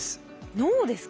脳ですか？